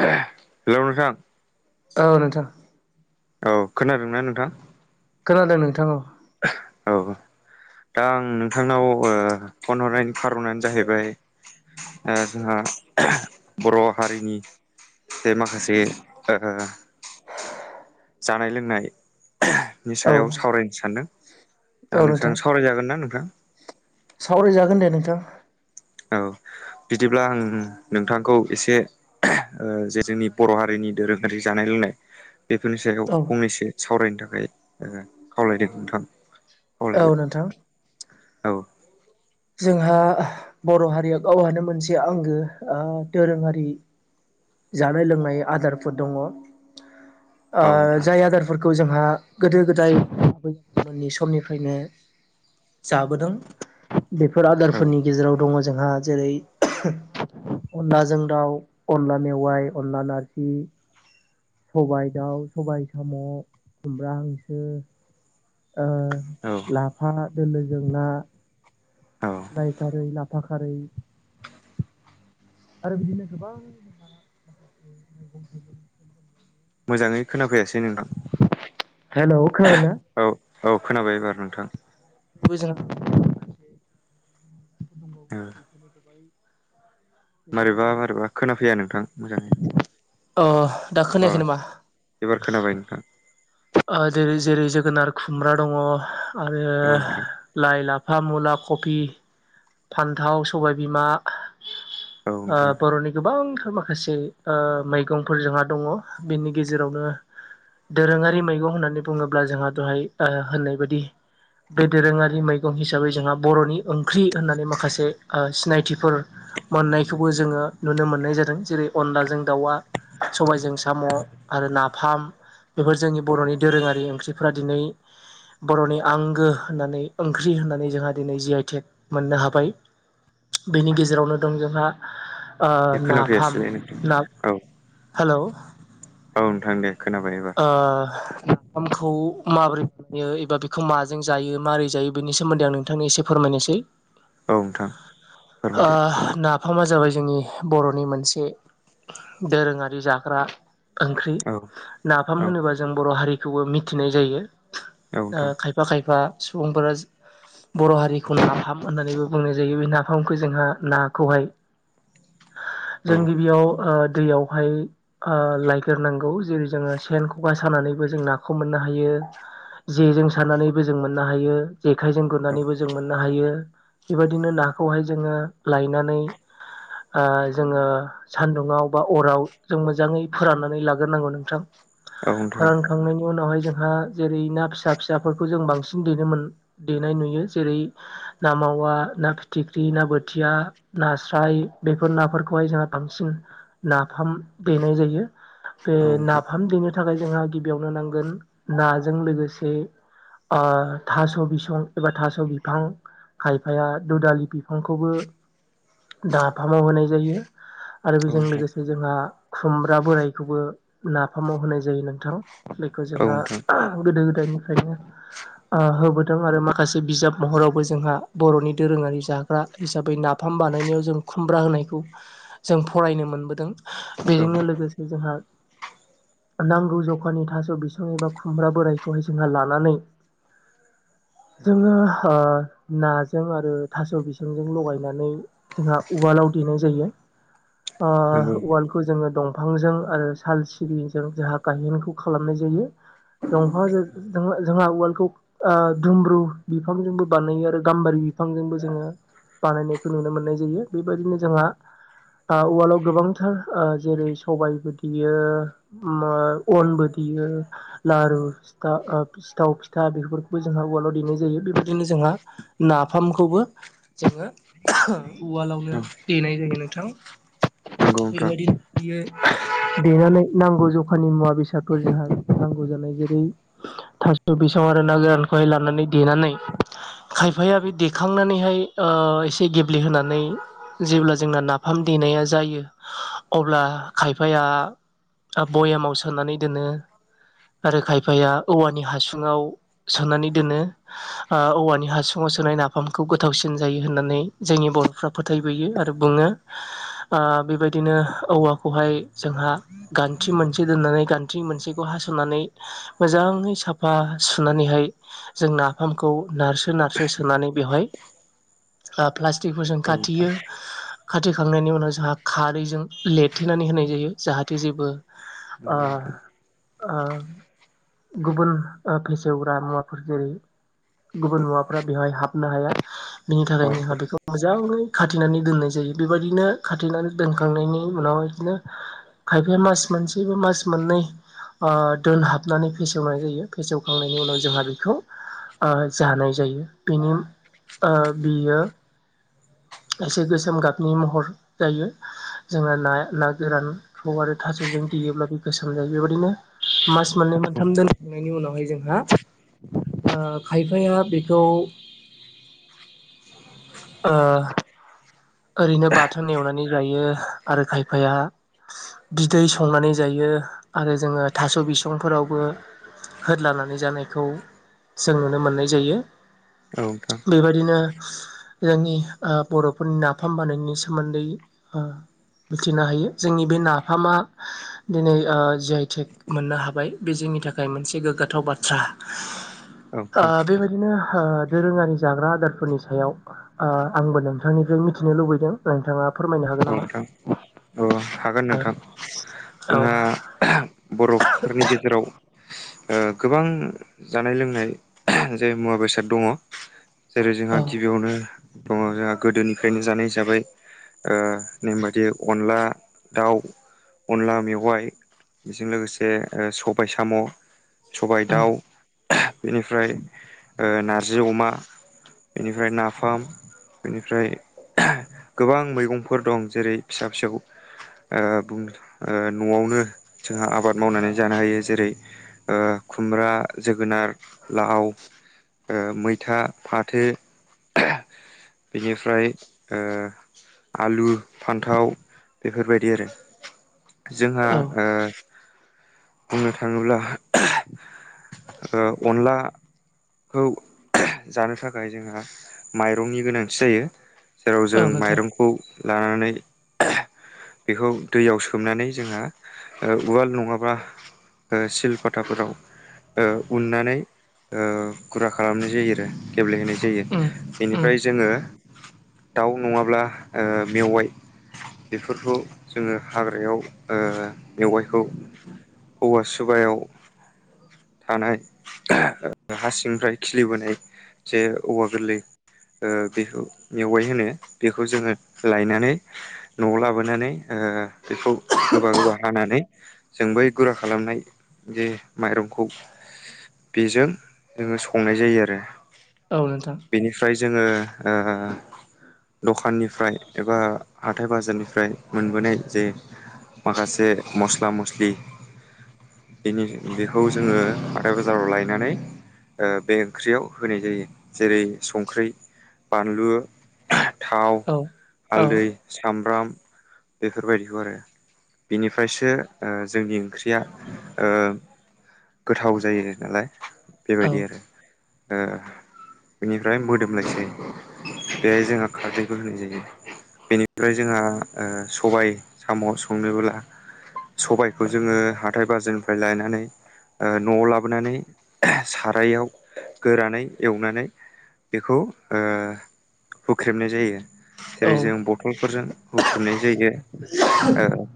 Hello नोंथां। औ नोथा। औ खोनादोंना नोंथां? खोनादों नोंथां औ। औ। दा आं नोंथांनाव ओ फन हरनायनि खार'नानो जाहैबाय ओ जोंहा बर' हारिनि जे माखासे ओ जानाय लोंनायनि औ सायाव सावरायनो सानदों। औ दा नोंसां नोंथां सावरायजागोन ना नोंथां? सावरायजागोन दे नोंथां। औ बिदिब्ला आं नोंथांखौ एसे जे जोंनि बर' हारिनि दोरोङारि जानाय लोंनाय बेफोरनि सायाव औ फंनैसो सावरायनो थाखाय खावलायदों नोंथां। खावलायबाय औ नोंथां। औ। जोंहा बर' हारिया गावहानो मोनसे आंगो ओ दोरोङारि जानाय लोंनाय आदारफोर दङ। ओ औ नोंथां जाय आदारफोर खौ जोंहा गोदो गोदाय [unintelligible] मोननि समनिफ्रायनो जाबोद। ों बेफोर औ आदारफोरनि गेजेराव दङ जोंहा जेरै अनलाजों दाउ, अनला मेवाय, अनला नार्जि, सबाय दाउ, सबाय साम', खुमब्रा हांसो, ओ औ लाफा दोलोजों ना, औ लाय खारै, लाफा खारै, आरो बिदिनो गोबां जोंहा माखासे मैगं थाइगंफोर दङ। मोजाङै खोनाफैयासै नोंथां। हेलौ खोनादोंना? औ औ खोनाबाय एबार नोंथां। बुजों [unintelligible] ओ [inaudible] मारैबा मारैबा खोनाफैया नोंथां मोजाङै [inaudible] अ दा अ खोनायाखै नामा एबार खोनाबाय नोंथां जै जेरै जोगोनार खुमब्रा दंङ आरो औ नोंथां लाइ लाफा मुला खिफ फान्थाव सबायबिमा औ ओ नोंथां बर'नि गोबां माखासे ओ मैगंफोर जोंहा दंङ बेनि गेजेरावनो दोरोङारि मैगं होननानै बुङोब्ला जोंहा दहाय ओ होननाय बायदि बे दोरोङारि मैगं हिसाबै जोंहा बर'नि ओंख्रि होननानै माखासे सिनायथि थिफोर मोननायखौबो जोङो नुनो मोननाय जादों जेरै अनलाजों दाउआ सबायजों साम' आरो नाफाम बेफोर जोंनि बर'नि दोरोङारि ओंख्रि फोरा दिनै बर'नि आंगो होननानै ओंख्रि होननानै जोंहा दिनै जि आइ टेक मोननो हाबाय बेनि गेजेरावनो दं जोंहा ओ नाफाम खोनाफैयासैलाय नोंथां ना औ हेल' औ नोंथां दे खोनाबाय एबार अ नाफामखौ माबोरै बायो एबा बेखौ माजों जायो माबोरै जायो बेनि सोमोन्दै आं नोंथांनि एसे फोरमायनोसै औ नोंथां ओ फोरमायदो नाफाम जाबाय जोंनि बर'नि मोनसे दोरोङारि जाग्रा। ओंख्रि औ नाफाम औ होनोबा जों बर' हारिखौबो मिथिनाय जायो औ नोंथां खायफा खायफा सुबुंफोरा बर' हारिखौ नाफाम होननानैबो बुंनाय जायो बे नाफामखौ जोंहा नाखौहाय [inaudible] औ जों गिबियाव ओ दैयावहाय ओ लायग्रोनांगौ जेरै जोङो सेन खखा सानानैबो जों नाखौ मोननो हायो जेजों सारनानैबो जों मोननो हायो जेखाइजों औ गुरनानैबो जों मोननो हायो बेबायदिनो नाखौहाय जोङो लायनानै ओ जोङो सान्दुङाव बा अराव जों मोजाङै फोराननानै लाग्रोनांगौ नोंथां औ नोंथां फोरानखांनायनि उनावहाय जोंहा जेरै ना फिसा फिसाफोरखौ जों बांसिन देनाय नुयो जेरै मावा ना फिथिख्रि ना बोथिया नास्राय बेफोर नाफोरखौहाय जोंहा बांसिन नाफाम देनाय जायो बे औ नोंथां औ नोंथां नाफाम फैनो थाखाय जोंहा गिबियावनो नांगोन नाजों लोगोसे ओ थास' बिसं एबा थास' बिफां खायफाया दुदालि बिफांखौबो नाफामाव होनाय जायो आरो औ नोंथां औ बेजों औ लोगोसे जोंहा खुमब्रा बोरायखौबो ना फामाव होनाय जायो नोंथां जखौ जोंहा नंगौ गोदो गोदायनिफ्रायनो ओ होबोदों आरो माखासे बिजाब महरावबो जोंहा बर'नि दोरोङारि जाग्रा हिसाबै नाफाम नाफाम बानायनायाव जों खुमब्रा होनायखौ जों फरायनो मोनबोदों बेजोंनो लोगोसे जोंहा नांगौ जखानि थास' बिसं एबा खुमब्रा बोरायखौहाय जोंहा लानानै [inaudible] जोङो नाजों आरो थास' बिसंजों लगायनानै जोंहा उवालाव देनाय जायो [inaudible] ओ उवालखौ जोङो दंफांजों आरो साल जों गायेनखौ खालामनाय जायो दंफां जोंहा वाल्डखौ ओ दुमब्रु बिफांजोंबो बानायो आरो गाम्बारि बिफांजोंबो जोङो बानायनायखौ नुनो मोननाय जायो बेबायदिनो जोंहा ओ उवालाव गोबांथार आ जेरै सबायबो देयो ओ मा अनबो देयो लारु फिथा ओ सिथाव फिथा बेफोरखौबो जोंहा उवालाव देनाय जायो बेबायदिनो जोंहा नाफामखौबो जोङो उवालावनो औ देनाय जायो नोंथां नंगौ नोंथां बेबायदिनो बियो देनानै नांगौ जखानि मुवा बेसादफोर जोंहा नांगौ जानाय जेरै थास बिसं आरो नागोरान बाय लानानै देनानै खायफाया औ बे देखांनानैहाय ओ एसे गेब्लेहोनानै जेब्ला जोंना नाफाम देनाया जायो अब्ला खायफाया आ भयामाव सोनानै दोनो आरो खायफाया औवानि हासुङाव सोनानै दोनो आ औवानि हासुङाव सोनाय नाफामखौ गोथावसिन जायो होननानै जोंनि बरफ्रा फोथायबोयो आरो बुङो आ बेबायदिनो औवाखौहाय जोंहा गान्थि मोनसे दोननानै गान्थि मोनसेखौ हासनानै मोजाङै साफा सुनानैहाय जों नाफामखौ नारसो नारसो सोनानै बेवहाय आ फ्लास तिहुजों नोंथां खाथियो खाथेखांनायनि उनाव जोंहा खारैजों लिरथेनानै होनाय जायो जाहा थे जेबो आ नंगौ नोंथां आ गुबुन ओ फेसेवग्रा मुवाफोर जेरै गुबुन मुवाफ्रा बेवहाय हाबनो हाया बिनि थाखायनो जोंहा बारफोर बेखौ मोजाङै खाथेनानै दोननाय जायो बेबायदिनो खाथेनानै दोनखांनायनि उनाव इदिनो खायफाया मास मोनसेबा मास मोननै आ दोनहाबनानै फेसेवनाय जायो फेसेवखांनायनि उनाव जोंहा बेखौ आ जानाय जायो बिनि ओ बियो एसे गोसोम गाबनि महर जायो जोंहा ना नागोरानखौ आरो थास जों देयोब्ला बे गोसोम जायो बेबायदिनो मास मोननै औ मोनथाम दोनखांनायनि उनावहाय जोंहा ओ खायफाया बेखौ [inaudible] ओ ओरैनो बाथोन एवनानै जायो आरो खायफाया बिदै संनानै जायो आरो जोङो थास बिसंफोरावबो होद लानानै जानायखौ जों नुनो मोननाय जायो नोंथां औ बेबायदिनो जोंनि ओ बरफोरनि ना फाम बानायनाय सोमोनदै ओ मिथिनो हायो जोंनि बे नाफामा दिनै ओ जि आइ थेक मोननो हाबाय बेजों नि थाखाय मोनसे गोगा थाव बाथ्रा आ नोंथां बेबायदिनो ओ दोरोङारि जाग्रा आदारफोरनि सायाव आ आंबो नोंथांनिफ्राय मिथिनो लुबैदों नोंथाङा फोरमायनो औ हागोन नामा? नोंथां औ हागोन औ नोंथां जोंहा बरफोरनि गेजेराव ओ गोबां जानाय लोंनाय जे मुवा बेसाद दङ जेरै औ जोंहा गिबियावनो दङ जोंहा गोदोनिफ्रायनो जानाय हिसाबै ओ नेम बायदियै अनला दाउ अनला मेवाइ बेजों लोगोसे ओ सबाय साम सबाय दाउ बेनिफ्राय ओ नारजि अमा बेनिफ्राय नाफाम बेनिफ्राय गोबां मैगं फोर दं जेरै फिसा फिसौ ओ बुंनो नआवनो जोंहा आबाद मावनानै जानो हायो जेरै ओ खुमब्रा जोगोनार लाव ओ मैथा फाथो बेनिफ्राय ओ आलु फान्थाव बेफोरबायदि आरो जोंहा औ ओ बुंनो थांङोब्ला ओ अनला खौ जानो थाखाय जोंहा माइरंनि गोनांथि जायो जेराव जों औ नोंथां माइरंखौ लानानै बेखौ दैयाव सोमनानै जोंहा उवाल नंङाब्ला ओ सिलपताफोराव ओ उननानै ओ गुरा खालामनाय जायो आरो देब्ले होनाय जायो उम उम बेनिफ्राय जोंङो दाउ नंङाब्ला ओ मेवाइ बेफोरखौ जोंङो हाग्रायाव मेवाइखौ औवा सुबायाव थानाय हा सिंफ्राय खिलिबोनाय जे औवा गोरलै बेखौ मेवाय होनो बेखौ जोंङो लायनानै न'आव लाबोनानै बेखौ गोबा गोबा हानानै जों बै गुरा खालामनाय जे माइरंखौ बेजों जोंङो संनाय जायो आरो औ नोंथां जोंङो ओ दखाननिफ्राय एबा हाथथाय बाजारनिफ्राय मोनबोनाय जे माखासे मस्ला मस्लि बेनि बेखौ जोंङो हाथाय बाजाराव लायनानै बे ओंख्रियाव होनाय जायो जेरै संख्रि बानलु थाव औ औ हालदै सामब्राम बेफोरबायदिखौ आरो बिनिफ्रायसो जोंनि ओंख्रिया गोथाव जायो नालाय बेबायदि आरो औ ओ बेनिफ्राय मोदोमलायसै बेहाय जोंहा खारदैखौ होनाय जायो बेनिफ्राय जोंहा सबाय साम' संनोबोब्ला सबायखौ जोंङो हाथाय बाजारनिफ्राय लायनानै ओ न'आव लाबोनानै सारायाव गोरानै एवनानै बेखौ हुख्रेबनाय जायो जेरै औ जों बथलफोरजों हुख्रेबनाय जायो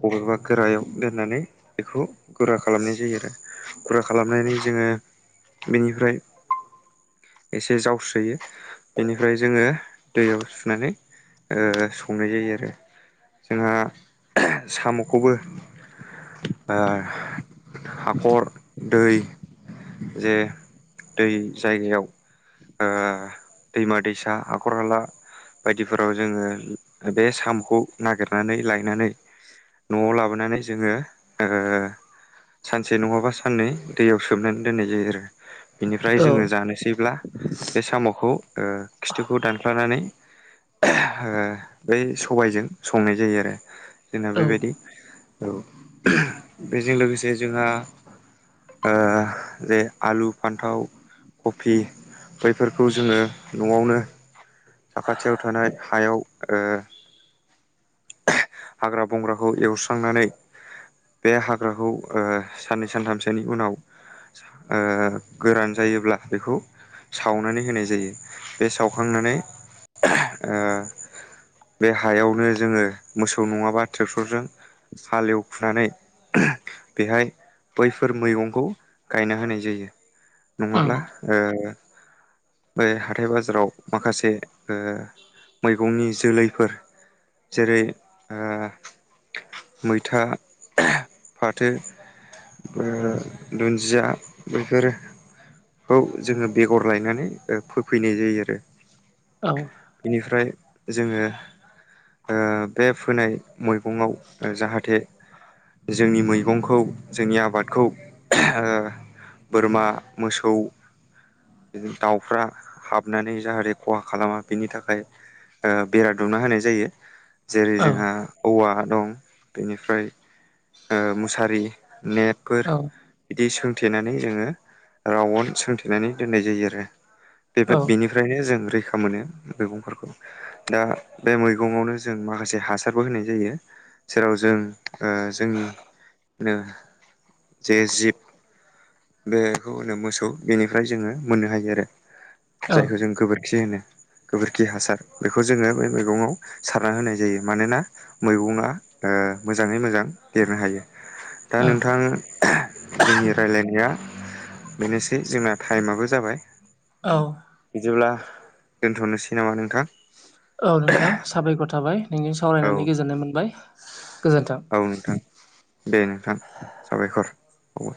बबेबा गोरायाव दोननानै बेखौ गुरा खालामनाय जायो आरो गुरा खालामनानै जोंङो बेनिफ्राय एसे जावस्रोयो बेनिफ्राय जोंङो दैयाव सुनानै ओ संनाय जायो आरो जोंहा साम'खौबो आ हाखर दै जे दै जायगायाव ओ दैमा दैसा हाखर हाला बायदिफोराव जोंङो बे सामखौ नागिरनानै लायनानै न'आव लाबोनानै जोंङो ओ सानसे नंङाबा साननै दैयाव सोमनानै दोननाय जायो आरो बिनिफ्राय औ जोंङो जानोसैब्ला बे साम'खौ खिथुखौ दानख्लानानै ओ बै सबायजों संनाय जायो आरो जोंना औ बेबायदि औ बेजों लोगोसे जोंहा जे आलु फान्थाव कफि बैफोरखौ जोंङो न'आवनो साखाथियाव थानाय हायाव हाग्रा बंग्राखौ एवस्रांनानै बे हाग्राखौ ओ साननै सानथामसोनि उनाव ओ- गोरान जायोब्ला बेखौ सावनानै होनाय जायो बे सावखांनानै बे हायावनो जोङो मोसौ नङाबा ट्रेक्टरजों हाल एवखुनानै बेहाय बैफोर मैगंखौ गायना होनाय जायो उम नङाब्ला ओ बे हाथाय बाजाराव माखासे ओ मैगंनि जोलैफोर जेरै ओ मैथा फाथो ओ दुन्दिया बैफोरो खौ जोङो बेगर लायनानै फोफैनाय जायो आरो औ बेनिफ्राय जोङो ओ बे फोनाय मैगङाव जाहाथे जोंनि मैगंखौ जोंनि आबादखौ आ बोरमा मोसौ दाउफ्रा हाबनानै जाहाथे खहा खालामा बिनि थाखाय ओ बेरा दुमना होनाय जायो जेरै औ जोंहा औवा दं बेनिफ्राय मुसारि नेटफोर बिदि सोंथेनानै जोङो रावन सोंथेनानै दोननाय जायो आरो बे बेनिफ्रायनो जों रैखा मोनो मैगंफोरखौ दा बे मैगंआवनो जों माखासे हासारबो होनाय जायो जेराव जों जोंनि नो जे जिब बेखौ होनो मोसौ बेनिफ्राय जोङो मोननो हायो आरो औ जायखौ जों गोबोरखि होनो गोबोरखि हासार बेखौ जोङो बे मैगङाव सारना होनाय जायो मानोना मैगंआ मोजाङै मोजां लिरनो हायो दा नोंथां जोंनि राय्लायनाय बेनोसै जोंना टाइमाबो जाबाय बिदिब्ला दोनथ'नोसै नामा नोंथां औ नोंथां साबायखर थाबाय नोंजों औ सावरायनानै गोजोननाय मोनबाय गोजोन्थों। औ नोंथां दे नोंथां साबायखर औ